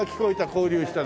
交流した。